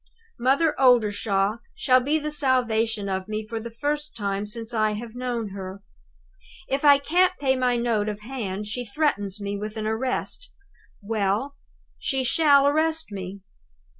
Mother Oldershaw shall be the salvation of me for the first time since I have known her. If I can't pay my note of hand, she threatens me with an arrest. Well, she shall arrest me.